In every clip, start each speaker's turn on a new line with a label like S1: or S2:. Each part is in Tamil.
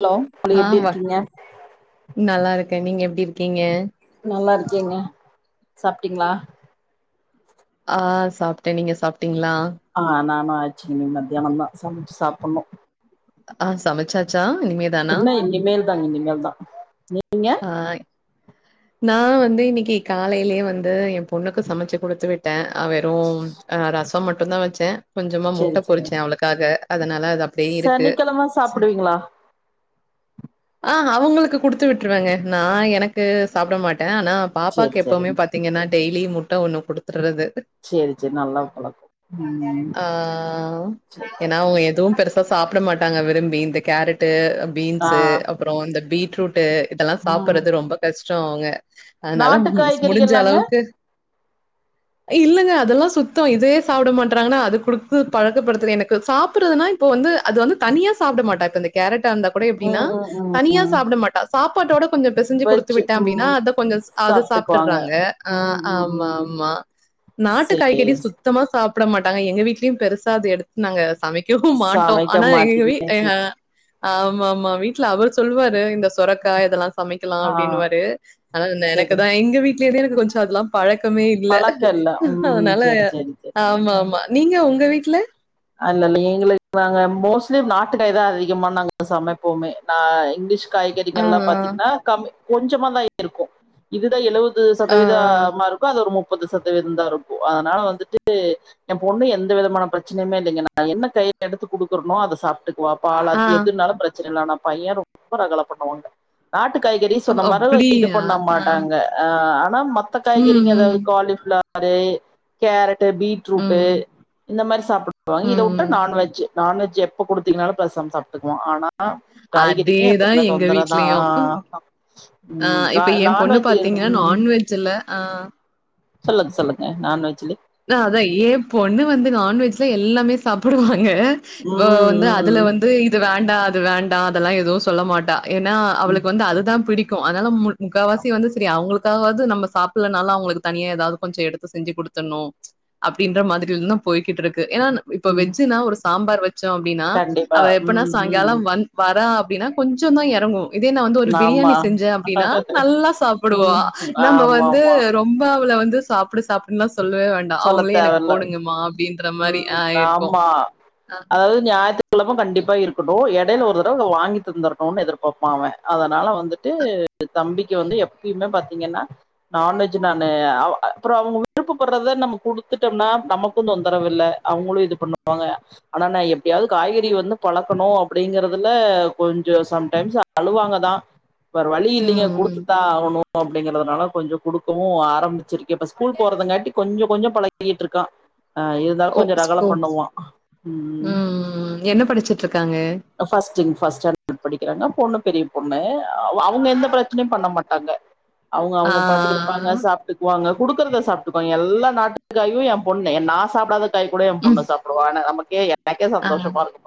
S1: ஹலோ ஹலோ
S2: ஆ
S1: எப்டி
S2: வா
S1: இருக்கீங்க
S2: நல்லா இருக்கே நீங்க எப்டி இருக்கீங்க
S1: நல்லா இருக்கேங்க சாப்டீங்களா
S2: ஆ சாப்ட்ட நீங்க சாப்பிட்டீங்ளா
S1: ஆ நானு அச்சி இனி மத்தியானோ தா சமச்சி சாப்புட்னு
S2: ஆ சமச்சாச்சா இனிமே தா
S1: இன்னு இனிமேல் தா இனிமேல் தா நீங்க
S2: ஆ நா வந்து இன்னக்கி காலையிலயே வந்து ஏ பொண்ணுக்கு சமச்சி குடுத்து விட்ட வெறும் ரசம் மட்டு தா வச்ச கொஞ்சமா முட்ட பொறிச்ச அவுளுக்காக அதனால அத
S1: சனிக்கெளம சாப்புடுவீங்ளா
S2: ஆ அவுங்களுக்கு குடுத்து விட்ருவேங்க நா எனக்கு சாப்ட மாட்ட ஆனா
S1: சேரி
S2: பாப்பாக்கு எப்பவுமே
S1: சேரிங்க
S2: பார்த்தீங்கன்னா டெய்லி முட்ட ஒண்ணு குடுத்துர்றது
S1: சேரி சேரி நல்ல பழக்கோ ம்
S2: ஆ ஏனா அவுங்க எதுவு பெருஸ் இப்ப சாப்பிட மாட்டாங்க விரும்பி இந்த கேரட்டு
S1: ஆ
S2: பீன்ஸு அப்ரோ இந்த பீட்ரூட் ட்டு இதெல்லா
S1: ம்
S2: சாப்ட்றது ரொம்ப கஷ்டோ அவுங்க அதனால
S1: நாட்டு
S2: ம் முடிஞ்ச
S1: காய்கறிகள்லாங்க
S2: அளவுக்கு இல்லங்க அதெல்லா சுத்தோ இதே சாப்பட மாட்றாங்கனா அது குடுத்து பாழக்க படுத்துல எனக்கு சாப்புட்றதுனா இப்ப வந்து அது வந்து தனியா சாப்புட மாட்டாக் இந்த கேரட்ட அந்த இப் கூட எப்டின்னா
S1: ம் ம் ம்
S2: தனியா
S1: ம்
S2: சாப்புட மாட்டா சாப்பாட்டோட கொஞ்ச பெசஞ்சி குடுத் த்து
S1: வெச்சு
S2: விட்ட அப்டின்னா
S1: ம்
S2: அத கொஞ்ச அது
S1: சாப்ட்டுக்குவாங்க
S2: சாப்ட்டுறாங்க ஆ
S1: ம் ம்
S2: ஆமா
S1: ம்
S2: ஆமா நாட்டு
S1: சேரி
S2: காய்கறி சுத்தமா சாப்ட மாட்டாங்க எங்க வீட்லயும் பெருசா அத எடுத் நாங்க சமைக் வைக்கவு மாட்டோ
S1: சமைக்க
S2: ஆனா எங்க
S1: மாட்டீங்க
S2: வீ
S1: சேரி
S2: ஆ
S1: சேரி
S2: ஆமாமா வீட்டுல அவரு சொல்லுவாரு இந்த சொரக்கா இதெல்லா சமைக்கலா
S1: ஆ
S2: அப்டின்னுவாறு‌ ஆனா
S1: சேரி
S2: எனக்குதா எங்க வீடலேருந்து எனக்கு கொஞ்சோ அதெல்லா பழக் பழக்கமோ இல்ல
S1: பழக்க இல்ல ம்
S2: அதனால
S1: சேரி சேரி சேரிங்க
S2: ஆமாமா நீங்க உங்க வீட்டுல
S1: அல்லல்ல ஏங்களுக்கு நாங்க மோஸ்லி நாட்டுக்காய் தா அதிகமா நாங்க சமைப்போமே ந இங்கிலீஷ்
S2: ஆ,
S1: காய்கறிகல்லா
S2: ஆ.
S1: பாத்தீங்கனா கம் கொஞ்சமா தா இருக்கு இதுதா எழுவத் இது
S2: ஆ, ஆ.
S1: சதவீத மாருக் ருக்கு அது முப்பது சதவீதம் தா இருக்கு அதனால வந்துட்டு எ பொண்ணு எந்த விதமான பிரச் ஓன்னுமோ இல்லைங்க நா என்ன கய் எடுத்து குடுக்குறோனோ அதா சாப்ட்டுக்குவா பால்
S2: ஆ.
S1: ஆத்தி எதுன்னாலு பிரச்சன இல்ல ‌ஆனா பைய ரொ ரொம்ப ரகல பண்ணுவாங்க நாட்டு காய்கறி
S2: அப்
S1: சொன்ன மாரி இது
S2: அப்டியா?
S1: பண்ண
S2: ஆ.
S1: மாட்டாங்க ஆ ஆனா மத்த
S2: ம்,
S1: காய்கறிங்க ஏதாது
S2: ம்.
S1: காலிஃப்ளவரு கேரட் பீட் பீட்ரூட்
S2: ம்.
S1: இந்த மாரி சாப்புட்டுவாங்க இத
S2: ம்.
S1: உட்டா நா நான்வெஜ் நான்வெஜ் எப்ப குடுத்தீங்கனாலு பேசாம சாப்ட்டுக்குவா ஆனா
S2: அதே
S1: காய்கறிங்க
S2: தான்
S1: எப்போதுமே
S2: எங்க
S1: தொந்தரவுதா
S2: வீட்லயும்.
S1: ம் நான்வெஜ் ம்
S2: ஜில்ல‌ ஆ
S1: சொல்லுங்க சொல்லுங்க நான்வெஜ்லே
S2: அதா அதா ஏ பொண்ணு வந்து நான்வெஜ்ல எல்லாமே சாப்புடுவாங்க இவோ
S1: ம்
S2: வந்து அதுல
S1: ம், ம்,
S2: வந்து இப் இது வேண்டா அது வேண்டா அதெல்லா எதுவு சொல்ல மாட்டா ஏனா
S1: ம்,
S2: அவுளுக்கு வந்து அதுதா பிடிக் க்கு அதனால முக்காவாசி வந்து செரி அவுங்களுக்காவது நம்ம சாப்புட்லனாலு அவுங்களுக்கு தனியா ஏதாது கொஞ்சோ எடுத்து செஞ்சி குடுத்துணு அப்டின்ற மாதிரில தா போயிகிட்ருக்கு ஏனா இப்ப
S1: ம்,
S2: வெஜ்ஜின்னா ஒரு சாம்பார் வச் வச்சோ அப்டினா
S1: கண்டிப்பா
S2: அவ எப்பனா
S1: ம்
S2: சாய்ங்காலம்
S1: ம்
S2: வந் வரா அப்டினா கொஞ்ச தா எறங்கு இதே ந வந்து ஒரு
S1: ஆமா
S2: பிரியாணி செஞ்ச அப்டினா நல்லா சாப்புடுவா
S1: ம்
S2: நம்ம
S1: ஆமா
S2: வந்து
S1: ஆமா
S2: ரொம் இந்தா அவல வந்து சாப்டு சாப்புடுனுலா சொல்லவே வேண்
S1: சொல்ல
S2: அவுங்ளோ எனக்கு
S1: தேவையில்ல
S2: போடுங்கம்மா அப்டின்ற மாரி ஆ இருக்கு ஆ
S1: ஞாயித்துக்கெளம கண்டிப்பா இருக்கட்டு எடையில ஒரு தடவ வாங்கி தந்தரனுனு எதிர்பாப்பா அவ அதனால வந்துட்டு தம்பிக்கு வந்து எப்பயுமே பாத்தீங்கன்னா நான்வெஜ் நானு அ அப்றோ அவுங்க விருப்ப பட்றது றத நம்ம குடுத்துட்டம்னா நமக்கு தொந்தரவு இல்ல அவங்களு இது பண்ணுவாங்க ஆனா நா எப்டியாவது காய்கறி வந்து பழக்கணு அப்டிங்கறதுல கொஞ்சோ சம்டைம்ஸ் அழுவாங்கதா வேற வழி இல்லீங்க
S2: ம் ம்
S1: குடுத்துதா ஆகனு அப்டிங்கறதுனால கொஞ்சோ குடுக்கவு ஆரம்பிச்சிருக்கே இப்ப ஸ்கூல் போறதுங்காட்டி கொஞ்சோ கொஞ்சோ பழகிட்ருக்கா அ இருந்தாலு
S2: ஓ
S1: கொஞ்சோ
S2: ஸ்
S1: ரகல
S2: ஓ
S1: பண்ணுவா
S2: ம் என்ன படிச்சிட்டு இருக்காங்க
S1: ஃபஸ்ட்ங்‌ ஃபஸ்ட் சாண்டோடு படிக்கிறாங்க பொண்ணு பெரிய பொண்ணு அவுங்க எந்த பிரச்சனையு பண்ண மாட்டாங் டாங்க அவுங்க
S2: ஆ
S1: அவுங்க பாட்டுக்கு இருப்பாங்க சாப்டுக்குவாங்க குடுக்கறத சாப்டுக் வாங்க எல்லா நாட்டுக்காயு என் பொண்ணு நா சாப்டாத காய் கூட என் பொண்ணு
S2: ம்
S1: சாப்டுவ ஆனா நமக்கே எ எனக்கே
S2: ஆ
S1: சந்தோஷமா இருக்கு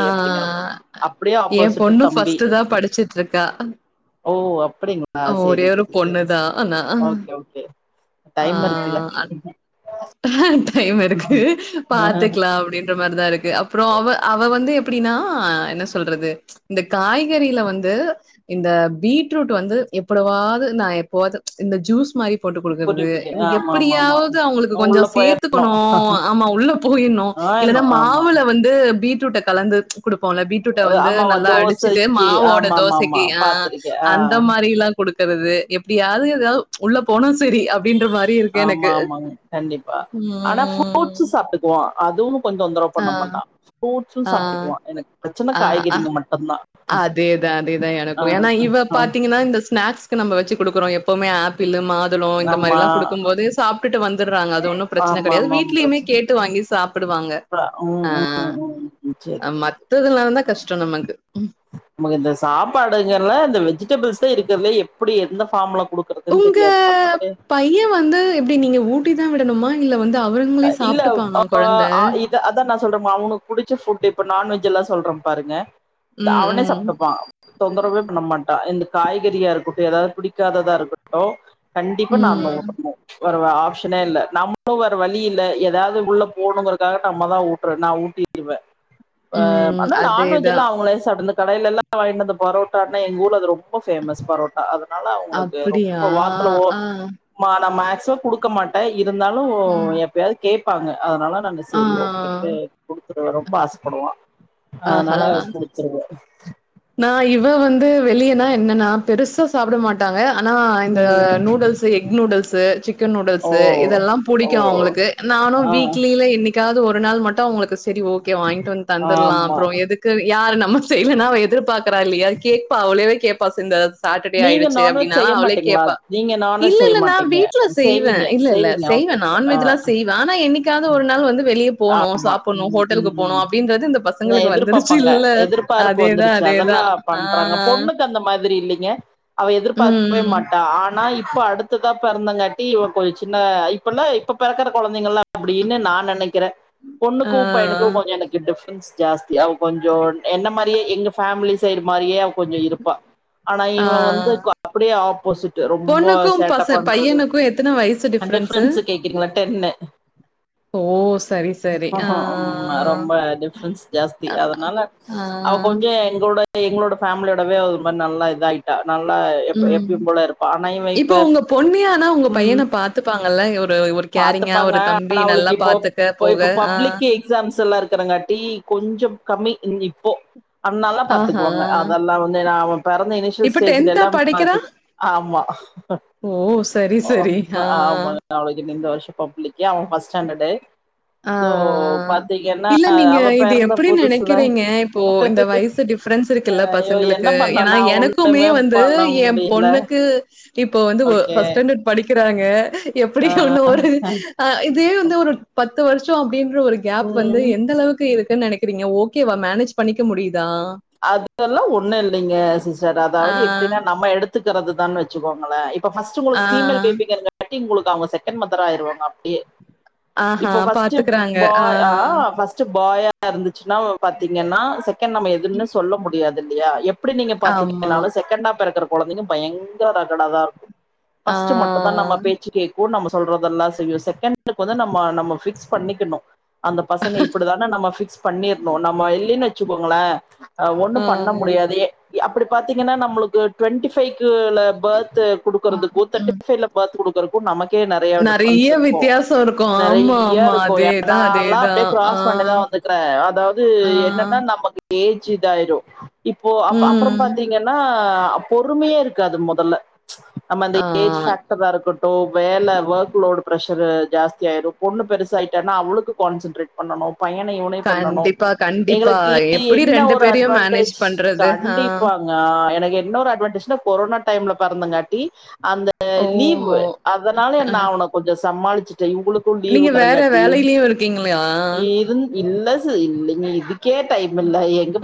S2: ஆ
S1: அப்டிங்கற மாரி அப்டியே
S2: என்
S1: ஆப்போசிட்டு
S2: பொண்ணு
S1: தம்பி
S2: ஃபர்ஸ்ட்டு தான் படிச்சிட்டு இருக்கா
S1: ஓ அப்டிங்
S2: ஒரே ஒரு பொண்ணுதா ஆனா
S1: ஓகே ஓகே டைம் இருக்குல்ல
S2: ஆ டைம் இருக்கு
S1: ஆ
S2: பாத்துக்கலா அப்டின் அந்த மாரிதா இருக்கு அப்றோ அவ அவ வந்து எப்டின்னா என்ன சொல்றது இந்த காய்கறில வந்து இந்த பீட்ரூட் வந்து எப்படுவாவ்து நா எப்பவது இந்த ஜூஸ் மாரி போட்டு
S1: புரிது
S2: கொடுக்கறது
S1: புரிது
S2: இவங்க
S1: ஆமா ஆமா
S2: எப்டியாவது அவ்ங்கள்க்கு
S1: ஆமா
S2: கொஞ்சோ
S1: உள்ள போயர்
S2: சேத்துக்கனு ஆமா உள்ள போய்ர்ணு
S1: ஆ
S2: இல்லன்னா
S1: ஆமா
S2: மாவுல வந்து பீட்ரூட்ட கலந்து குடுப்போல பீட் ரூட்ட வந்து
S1: ஆமாமா
S2: நல்லா அடிச்சுட்டு
S1: தோசைக்கு
S2: மாவோட
S1: ஆமா ஆமா ஆமா
S2: தோசைக்கு ஆ
S1: பாத்திருக்கே ஆ
S2: அந்த மாரிலா குடுக்கறது எப்டியாவது ஏதா உள்ள போனா சரி அப்டின்ற மாரி இருக்கு
S1: ஆமா
S2: எனக்கு
S1: ஆமாங்க
S2: ம்
S1: ஓ அதுவு கொஞ்சோ தொந்தரவு
S2: ஆ
S1: பண்ண மாட்டா ஃப்ரூட்ஷு
S2: ஆ
S1: சாப்டுக்குவா எனக்கு பிரச்ன
S2: ஆ அ
S1: காய்கறிங்க மட் ட்டுந்தா
S2: அதேதா அதேதா எனக்கு ஏன்னா இவ
S1: ஆ
S2: பாத்தீங்கன்னா இந்த ஸ்நாக்ஸ் க்கு நம்ம வெச்சு குடுக்குறோ எப்பமே ஆப்பிள்ளு மாத் இந்த மாரி
S1: ஆமா
S2: லா கொடுக்கும் போதே தூலோ இந்த மாரிலா குடுக்கும்போது சாப்ட்டுட்டு வந்துறாங்க அது ஒன்னு பிரச்ன கெடையாது
S1: ஆமாமாம்
S2: வீட்லயுமே
S1: பிரச்சன
S2: கேட்டு வாங்கி சாப்டுவாங்க
S1: ம்
S2: அ
S1: ம் ம் ம் ம் சேரி சேரி
S2: மத்ததுல்லாந்தா கஷ்டோ நமக்கு
S1: நமக்கு இந்த சாப்பாடுங்கர்ல இந்த வெஜிடபிள்ஸ் தா இருக்கறதுல எப்டி எந்த ஃபார்ம்ல குடு
S2: உங்க பைய வந்து எப்டி நீங்க ஊட்டி தா விடணுமா கீழ வந்து அவருங்களே சாப்டுப்பாங்க கொழந்த
S1: தா அதா நா சொல்ற மா அவுங்களுக்கு புடிச்ச ஃபுட் இப்ப நான்வெஜ் எல்லா சொல்றே பாருங்க
S2: ம்
S1: அவனே
S2: ம்
S1: சாப்டுப்பா தொந்தரவே பண்ண மாட்டா இந்த காய்கறியா இருக்கட்டு ஏதாவது புடிக்காததா இருக்கட்டு கண்டிப்பா நா தா
S2: ம்
S1: ஊட்டணு வேற வ ஆப்ஷனே இல்ல நம்மளு வர வேற வழி இல்ல ஏதாவது உள்ள போணுங்கறக்காக நம்மதா ஊட்ற நா ஊட்டிர்வ அ
S2: ம்
S1: அனா நான்வெஜ்
S2: அதேதா
S1: எல்லா அவங்களே சாப்டு இந்த கடையிலல்லா வாங்கிட் வந்த பரோட்டானா எங்க ஊர்ல அது ரொம்ப ஃபேமஸ் பரோட் ட்டா அதனால அவங்களுக்கு
S2: அப்படியா
S1: ரொம்ப வார்த்துல ஒரு
S2: ஆ
S1: மா நா மேக்சிம் குடுக்க மாட்ட இருந்தாலு
S2: ம்
S1: எப்யாது கேப்பாங்க அதனால நாங்க
S2: ஆ
S1: சரி ஓகேன்ட்டு கொடுத்தற ரொம்ப ஆசப்படுவா அதனால்லா
S2: ஆஹா
S1: குடுத்துருவ
S2: நா இவ வந்து வெளியனா என்னன்னா பெருசா சாப்ட மாட்டாங்க ஆனா இந்த
S1: ம்
S2: நூடுல்ஸு எக் நூடுல்ஸு சிக்கன்
S1: ஓ
S2: நூடுல்ஸு இதெல்லா
S1: ஓ
S2: புடிக்கு அவ்ங்களுக்கு நானு
S1: ஆ
S2: வீக்லில இன்னிக் க்காது ஒரு நாள் மட்டு அவ்ங்களுக்கு சரி ஓகே வாய்ன்ட் வந் தந்துர்லா
S1: ஆமா
S2: அப்றோ எதுக்கு யார் நம்ம செய்லன்னாவேத் திர்பாக்கறால்லியா கேப்பா அவ்ளேவே கேப்பா சிந்தத்ஸ் சாட்டடே
S1: நீங்க
S2: ஆய்டுச்சு
S1: நான்வெஜ்
S2: அப்டின்னா
S1: செய்ய
S2: அவுளே
S1: மாட்டீங்களா
S2: கேப்பா
S1: நீங்க நான்வெஜ் செய்ய
S2: இல்லல்ல நா
S1: மாட்டீங்க
S2: வீட்ல செய்வே
S1: செய்வீங்க
S2: இல்லல்ல
S1: செய்வீங்க
S2: செய்வே
S1: ஓகே ஓகே ஆ
S2: நான்வெஜ் லா செய்வே ஆனா என்னிக்காவ்து ஒரு நாள் வந்து வெளியப் போணு
S1: ஆமா
S2: சாப்பணு
S1: ம் ம்
S2: ஹோட்டல்க்கு போணு
S1: ம்
S2: அப்டின்றது இந்த
S1: இத
S2: பசங்களுக்கு வந்துடுச்சு
S1: எதிர்பாப்பாங்க
S2: இல்ல
S1: எதிர்பார்ப்பு
S2: அதேதான் எதா ஆ
S1: ல அந்த மாதிரி இல்லிங்க அவ் எதிர்பாக் வே
S2: ம்.
S1: மாட்டா ஆனா இப்ப அடு சுதா பிறந்தங்காட்டி இவ கொய்ச்சுன இப்பல்லா இப்ப பிறக்கற கெழந்தைங்கல்லா ப்டி இன்னு நா நெனைக்கிறே
S2: ஆ.
S1: பொண்ணுக்கு பையனுக்கு கொஞ்ச எனக்கு டிஃப்ரன்ஸ் ஜாஸ்தி அவ் கொஞ்சோன் என்ன மாரியே எங்க ஃபேமிலி சைடு மாரியே அவ் கொஞ்ச இருப்பா ஆனா
S2: ஆ.
S1: இவ வந்து கோ அப்டியே ஆப்போசிட்டு ரொம்ப
S2: பொண்ணுக்கும்,
S1: சேட்ட
S2: பச
S1: பண்றது
S2: பையனுக்கும் எத்தன வயசு
S1: அ
S2: டிஃபரன்ஸு?
S1: டிஃப்ரென்ஸு கேக்கிறிங்ளா டென்னு
S2: ஓ சரிஸ்
S1: அஹா அம்மா ரொம்ப டிஃப்ரென்ஸ் ஜாஸ்தி அதனால
S2: ஆ.
S1: அவ் கொஞ்ச எங்களோட எங்களோட ஃபேமிலியோடவே ஒரு மார் நல்லா இதாயி ட்டா நல்லா எப்
S2: ம்.
S1: எப்யும் போல இருப்பா ஆனா இவெ
S2: இப்போ
S1: இப்ப
S2: உங்க பொண்ணே ஆனா உங்க
S1: உம்
S2: பையன பாத்துப்பாங்கல்ல? ஒரு ஒரு கேரிங்கா,
S1: பாத்துப்பாங்க
S2: ஒரு தம்பி
S1: ஆனா அவளுக்கு
S2: நல்லா
S1: இப்போ
S2: பாத்துக்க, போக.
S1: போய்ப்பு
S2: ஆ.
S1: பப்ளிக்கு எக்ஸாம்ஸு எல்லா இருக்கறங்காட்டி கொஞ்சும் கம்மி இங் இப்போ அதுனல்லா பாத்துக்வாங்க
S2: ஆஹா.
S1: அதல்லா வந்து நா அவம் பெறந்த இனிஷியல்
S2: இப்ப
S1: ஸ்டேஜுல
S2: டென்த்தா
S1: எல்லாம்
S2: படிக்கிறா
S1: பாத்திக்கு ஆமா
S2: ஓ சரி சரி ஆ
S1: நாளைக்கி நிந்த வர்ஷ பப்ளிக்கி அவன் ஃபஸ் ஸ்டாண்டடு
S2: ஆஆ இல்ல நீங்க
S1: அவ
S2: இது
S1: பெறந்த
S2: எப்படி
S1: புதுசுல
S2: நெனைக்கிறீங்க இப்போ இந்த வய்சு டிஃப் ஃப்ரெண்ஸ் இருக்குல்ல
S1: ஐயோ என்ன
S2: பசங்களுக்கு
S1: பண்ண
S2: ஏன்னா
S1: நா
S2: எனக்குமே
S1: ஒண்ணுமே
S2: வந்து
S1: பண்ண
S2: ய
S1: முடியல
S2: பொண்ணுக்கு இப்போ வந்து ஒ
S1: ஓகே
S2: ஃபஸ் ஸ்டாண்டட் படிக்கிறாங்க எப்படி ஒண்ணு ஒரு ஆ இதே வந்து ஒரு பத்து வர்ஷோ அப்டின்ற ஒரு கேப் வந்து
S1: ம்
S2: எந்த அளவுக்கு இருக்குன் நெனக் க்கிரிங்க ஓகேவா மேனேஜ் பண்ணிக்க முடிய்தா
S1: அத் எல்லா ஒண்ணு இல்லிங்க சிஸர்
S2: ஆ
S1: அதாவ்து எப்டினா நம்ம எடுத்துக்கிறதுதான் வச்சுக்கோங்களே ப்ப ஃபஸ்ட்
S2: ஆ
S1: உங்களுக் ஃபீமேல் பேபிங்கல்காட்டி உங்களுக் அவங்க செகண்ட் மதர் ஆயிருவோம் அப்டியே
S2: ஆஹா
S1: இப்போ ஃபஸ்ட்டு
S2: பாத்துக்கறாங்க
S1: பாய் ஆ ஃபஸ்ட்டு பாயா ஆ இருந்துச்சுன்னா பாத்தீங்கன்னா செகண் நம்ம எதுன்னு சொல்ல முடியாது இல்லயா ப்டி நீங்க
S2: ஆமா
S1: பாத்தீங்கனாலா செகண்டா பெறக்குற குழந்தைங்க பயங்கர டாட்டாதாடா இருக்கு பஸ்ட்டு மட்டுதா நம்ம
S2: ஆ
S1: பேச்சு கே கூட் நம்ம சொல்றதெல்லா செய்யு செகன் க்கு வந்து நம்ம நம்ம ஃபிக்ஸ் பண்ணிக்கணு அந்த பசங்க இப்டிதானா நம்ம ஃபிக்ஸ் பண்ணீர்ணு நம்ம இல்லின்னு வச்சுக்கோங்ளே ஒண்ணு
S2: ஆ
S1: பண்ண முடியாதே அப்புடி பாத்தீங்கன்னா நம்ளுக்கு ட்வெண்டி ஃபை க்யுல பத்து குடுக்குறதுக் ஊத்த
S2: ம்
S1: [unintelligible] பாத்து குடுக்குறக்கு நமக்கே நெறையாவ்
S2: நெறைய
S1: டிஃபரன்ஸ் இருக்கு
S2: வித்தியாசோ இருக்கு ஆமா
S1: நெறைய்யா
S2: ஆமா
S1: இருக்கு யா
S2: அதேதா
S1: நாலா
S2: அதேதா
S1: அப்டே
S2: ஆ
S1: க்ராஸ் பண்ணிதா வந்துக்றே அதாவ்து
S2: ஆ
S1: என்னன்னா நமக்கு ஏஜ் இதாய்ரு இப்போ அப் அப்ற
S2: ம்
S1: பாத்தீங்கன் எனா ஆ பொறுமையே இருக்காது மொதல்ல நம்ம இந்த
S2: ஆ
S1: ஏஜ் ஃபேக்ட்டரா ருக்குட் டோ வேல வக் லோடு ப்ரெஷரு ஜாஸ்தி ஆய்ரு பொண்ணு பெருசாய்ட்டனா அவ்ளுக்கு கான்சன்ட்ரேட் பண்ணணு பையன இவ்னே பண்ணணு
S2: கண்டிப்பா கண்டிப்பா
S1: எங்களுக் [unintelligible]
S2: எப்டி
S1: இன்ன
S2: ரெண்டு
S1: ஒரு
S2: பேரையு மேனேஜ்
S1: அட்வான்டேஜ்
S2: பண்றது ஆ
S1: கண்டிப்பாங் ஆ எனக்கு என்னொரு அட்வான்டேஜ்னா கொரோனா டைம்ல பெறந்தங்காட்டி அந்த
S2: ஓ
S1: லீவ் அதனால
S2: ஆ
S1: நா அவன கொஞ்சோ சமாளிச்சுட்டே இவுங்களுக் கு லீவ்
S2: நீங்க வேற
S1: கடஞ்சாட்டி
S2: வேலையிலயு இருக்கீங்களா
S1: இருந் இல்ல ச இல்லிங்க இதுக்கே டைம் இல்ல எங்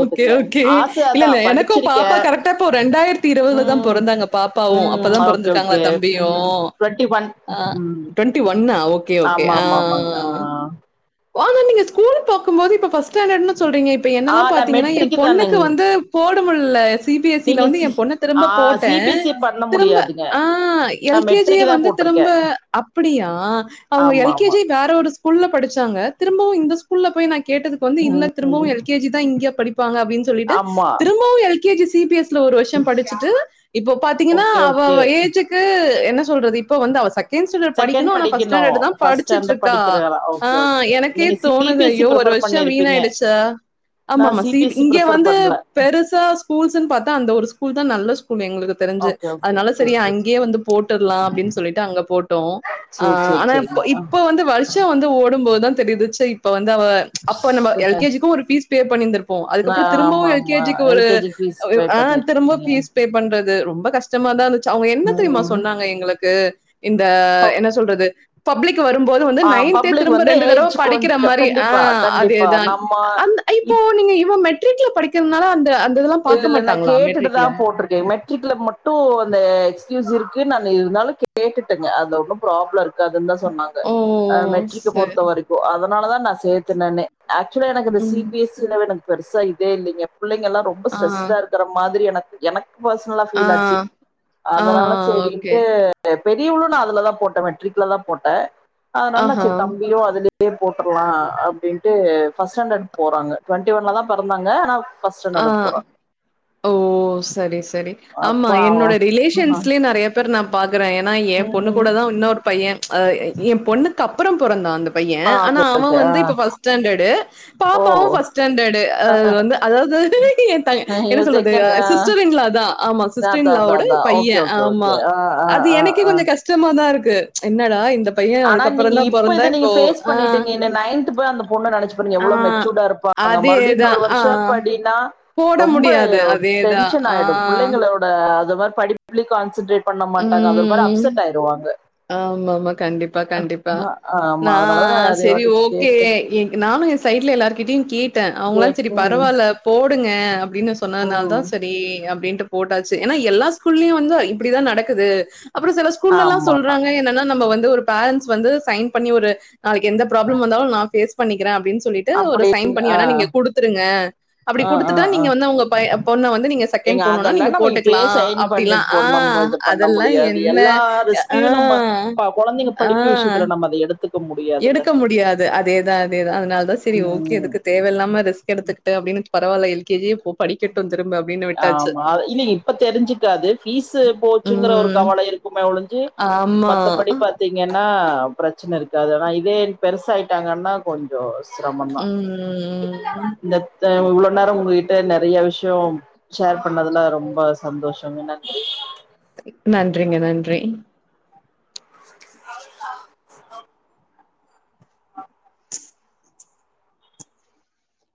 S2: ஓகே ஓகே இல்ல இல்ல
S1: அதான்
S2: எனக்கு பாப்பா
S1: படிச்சிருக்கேன்
S2: கரெக்டா இப்போ ரெண்டாயிரத்தி இருவதுலதா
S1: உம்
S2: பொறந்தாங்க பாப்பாவு
S1: ம்
S2: அப்பதா
S1: ஓகே
S2: பிறந்திருக்காங்கள
S1: ஓகே
S2: தம்பியு
S1: ம் டுவெண்ட்டி ஒன்
S2: அ
S1: ம்
S2: டுவென்டி ஒன்னா ஓ கே ஓகே
S1: ஆமா
S2: ஆ
S1: ஆமா ஆமாங்க
S2: ஆ ஆனா நீங்க ஸ்கூல் பாக்கு போது இப்ப ஃப்ர்ஸ்ட் ஸ்டாண்ட் சொல்றீங்க இப்ப
S1: ஆ
S2: என்னெல்லா
S1: நா
S2: பாத்தீங்கன்னா ஏ
S1: மெட்ரிக்கு
S2: பொண்ணுக்கு
S1: தானுங்
S2: வந்து போட முல்ல சி பி எஸ் சி இல்ல வந்து ஏ பொண்ண
S1: ஆ
S2: திரும்ப போட்டே
S1: சி பி எஸ் இ பண்ண
S2: திரும்ப
S1: முடியாதுங்க
S2: ஆ
S1: நா
S2: எல் கே ஜியே
S1: மெட்ரிக்கு தா
S2: வந்து
S1: போட்ருக்கே
S2: திரும்ப அப் அப்டியா அவுங்க
S1: ஆமா
S2: எல் கே
S1: ஆமா
S2: ஜி வேற ஒரு ஸ்கூ ஸ்கூல்ல படிச்சாங்க திரும்பவு இந்த ஸ்கூல்ல போய் நா கேட்டதுக்கு வந்து இல்ல திரும்பவு
S1: ம்
S2: எல் கேஜி தா இங்க படிப் பாங்க அப்டின்னு சொல்லிட்டு
S1: ஆமா
S2: திரும்பவு L K G C B S C ல ஒரு வருஷோ படிச்சுட்டு இப்ப பாத்தீங்கன்னா
S1: ஓகே
S2: அவ
S1: ஓகே
S2: அவ ஏஜுக்கு என்ன சொல்றது இப்ப வந்து அவ சக் செகன்சான்டர்
S1: செகண்ட்
S2: படிக்குணு ஆனா இப்ப ஃப்ஸ்ட்
S1: படிக்கணு
S2: ஸ்டாண்டர்தா
S1: ஃபஸ்ட்
S2: படிச்சிட்டு
S1: ஸ்டாண்டர்ட்
S2: இருக்கா
S1: படிக்கிறதா
S2: ஆ
S1: ஓகே ஓகே ஓகே
S2: எனக்கே
S1: நீங்க சி
S2: தோணுது
S1: பி எஸ் இ
S2: ஐயோ ஒரு
S1: ப்ரிஃபர்
S2: வருஷோ வீணா
S1: பண்ணிருப்பீங்க
S2: ஆயிடுச்சா
S1: நா
S2: ஆமா ஆமா சி பி
S1: எஸ் இ
S2: இங்க
S1: ப்ரிஃபர்
S2: வந்து
S1: பண்ல
S2: பெருசா ஸ்கூல்ஸ்ன்னு பாத்தா அந்த ஒரு ஸ்கூல் தா நல்ல ஸ்கூல்லு எங்களுக்கு தெரிஞ்சு
S1: ஓகே ஓகே
S2: அதனால சரி
S1: சேரி
S2: ஏ
S1: சேரி
S2: அங்கியே வந்து போட்டுறீலா அப்டின்னு சொல்லிட்டு அங்க போட்டோ ஆ
S1: சேரி சேரி
S2: ஆனா
S1: சேரிங்க
S2: இப்ப இப்ப வந்து வருஷோ வந்து ஓடும்போதுதா தெரியுது இப்ப வந்து அவ அப்ப நம்ம எல்
S1: ஆ
S2: கே ஜிக்கு ஒரு பீஸ் பே பண்ணிந்திருப்போ அதுக்கப்றோ திரும்பவு
S1: ஆமா
S2: எல் கே
S1: ஆமா
S2: ஜி ஒரு
S1: L K G fees pay
S2: ஆ திரும்ப
S1: பண்ணிருக்கீங்க
S2: பஸ் பே பண்றது ரொம்ப கஷ்டமாதா இருந்துச்சு அவுங்க என்ன தெரியுமா
S1: ம்
S2: சொன்னாங்க எங்ளுக்கு இந்த என்ன சொல்றது பப்ளிக் வரும்போது வந்து
S1: ஆ
S2: நைன்த்தே
S1: பப்ளிக்
S2: திரும்ப
S1: வந்து
S2: ரெண்டு தடவ
S1: ஏஜ்
S2: படிக்கிற
S1: கொஞ்சோ
S2: மாரி ஆ
S1: கண்டிப்பா
S2: அதே
S1: கண்டிப்பா
S2: தான்
S1: நம்ம
S2: அந் இப்போ
S1: இப்
S2: நீங்க இவ மெட்ரிக்ல படிக்கிறதுனால அந்த அந்
S1: இல்லல்ல நா கேட்டுட்டுதா போட்டுருக்கே மெட் ரிக்கள மட்டு அந்த எக்ஸ்கியூஸ் இருக்கு நானு இருந்தாலு கேட்டுட்டங்க அந்த ஒன்னு ப்ராப்ளம் இருக்காதுங்கன்னுதா சொன்னாங்க
S2: ஓ
S1: ஆ மெட்ரி பொறுத்த
S2: சரி
S1: வரைக்கு அதனால தான் நா சேத்துனனே ஆக்சுவலா எனக்கு இந்த சி
S2: ம்
S1: பி எஸ் சின்னவனுக்கு பெருசா இதே இல்லிங்க பிள்ளைங்கெல்லா ரொம்ப
S2: ஆ
S1: ஸ்ட்ரெஸ்டா இருக்கற மாரி எனக் எனக் பர்சனலா
S2: ஆ
S1: ஃபீல் ஆச்சு
S2: ஆ
S1: அதனால
S2: ஓகே
S1: சேரின்ட்டு பெரியவளு நா அதுல தா போட்டே மெட்ரிக்ல தா போட்டே அதனாலா
S2: ஆஹா
S1: நா தம்பியு அதுலயே போட்டற்லா அப்டின்ட்டு ஃபர்ஸ்ட் ஸ்டாண்டர்ட் போறாங்க டுவெண்டி ஒன்ல தா பெறந்தாங்க ஆனா ஃபர்ஸ்ட் ஸ்டான்டர்டு
S2: ஆ
S1: போறா
S2: ஓ சரி சரி ஆமா
S1: அப்பா ஆ
S2: என்னோட ரிலேஷன்ஸ்லே நெறைய பேர் நா பாக்குற ஏனா ஏ பொண்ணு
S1: ம்
S2: கூட தா இன்னொரு பைய ஆ ஏ பொண்ணுக் அப்றோ பொறந்தா அந்த பைய
S1: ஆ
S2: ஆனா
S1: ஓகே
S2: அவன்
S1: ஓகே ஆ
S2: வந்து இப்ப ஃபர்ஸ்ட் ஸ்டாண்டர்டு
S1: ஓ
S2: பாப்பாவு ஃபர்ஸ்ட் ஸடாண்டர்டு வந்து அதாவுது என்ன
S1: இவ
S2: சொல்றது
S1: செகண்ட் ஆ
S2: சிஸ்டர் இன் லா தா ஆமா சிஸ்டர் இன்
S1: அதா
S2: லா
S1: அதா
S2: வோட
S1: அதா ஓகே
S2: பைய
S1: ஓகே ஓகே
S2: ஆமா
S1: ஆ ஆ
S2: அது
S1: ஆ
S2: எனக்கே
S1: ஆ
S2: கொஞ்சோ கஷ்டமாதா இருக்கு என்னடா இந்த பையன்
S1: ஆனா நீங்க
S2: அதுக்கப்புறம் தான்
S1: இப்ப
S2: பொறந்தா
S1: இத நீங்க
S2: இப்போ
S1: பேஸ்
S2: ஆ,
S1: பண்ணிட்டீங்க நைன்த் போய் அந்த பொண்ண நெனச்சுபாருங்க
S2: ஆ
S1: எவ்ளோ மெச்சூர்டா இருப்பா அங்க மறுபடி இன்னொரு
S2: அதேதான். ஆ
S1: வருஷோ படின்னா
S2: போட
S1: ரொம்ப
S2: முடியாது. அதேதான்.
S1: டென்ஷன் ஆயிடு
S2: ஆ.
S1: புள்ளைங்களோட அது மாரி படிப்ளே கான்சன்ட்ரேட் பண்ண மாட்டாங்க அது ஒரு மாரி அப்செட் ஆயிருவாங்க
S2: ஆமா ஆமா கண்டிப்பா கண்டிப்பா
S1: ஆ ஆமா
S2: நா
S1: அதனாலதா நெறைய
S2: செரி
S1: வாட்டி
S2: ஓகே
S1: கேட்ட
S2: எங் நானு என் சைட்ல எல்லார்கிட்டயு கேட்டே அவுங்களால
S1: கேட்
S2: சரி
S1: ம்
S2: பரவால்ல போடுங்க அப்டின்னு சொன்னதுனால தா
S1: ம்
S2: சரி அப்டின்ட்டு போட்டாச்சு ஏனா எல்லா ஸ்கூல்லயு வந்து இப்டிதா நடக்குது அப்றோ சில ஸ்கூல்லல்லா
S1: ஆமா
S2: சொல்றாங்க என்னன்னா நம்ம வந்து ஒரு பேரண்ட்ஸ் வந்து சைன் பண்ணி ஒரு நாளைக்கு எந்த ப்ராப்ளம் வந்தாலு நா பேஸ் பண்ணிக்கிறே அப்டின்னு சொல்லிட்டு ஒரு
S1: அப்படி
S2: சைன் பண்ணி
S1: ஆ
S2: வேணா நீங்க குடுத்துருங்க அப்டி
S1: ஆ ஆ
S2: குடுத்துட்டா
S1: ஆ
S2: நீங்க வந்து அவங்க பய பொண்ண வந்து நீங்க செகண்ட்
S1: ஏங்க
S2: போண்ணுனா
S1: அதெல்லா
S2: நீங்க
S1: நம்ம இப்பயே
S2: போட்டுக்கிலா
S1: சைன் பண்ணி
S2: அப்டிலா ஆ
S1: போடணும்
S2: அதெல்லா என்ன யா
S1: த்தையு நம்ம பா கொழந்தைங்க படிப்பு விஷயத்துல நம்ம அத எடுத்து
S2: எடுக்க முடியாது அதேதா அதேதா அதனால தா சரி ஓகே
S1: ம்
S2: எதுக்கு தேவயில்லாம ரிஸ்க் எடுத்துக்கிட்டு அப்டின்னு பவாயில்ல எல் கே ஜி போ படிக்கட்டு திரும்ப அப்படின்னு விட்டாச்சு
S1: ஆமா அது இல்லல் இப்ப தெரிஞ்சிக்காது பீஸ் போச்சுங்கற ஒரு கவல இருக்குமே ஒழிஞ்சி
S2: ஆம்மா
S1: ஏன்னா பிரச்சன இருக்காது ஆனா இதே பெருசாயிட்டாங்கனா கொஞ்சோ சிரம்மதா
S2: உம்
S1: இந்தத்த இவ்ளோ நேர உங்ககிட்ட நெறைய விஷ்யோம் ஷேர் பண்ணதுல ரொம்ப சந்தோஷங்க நன்றி
S2: நன்றிங்க நன்றி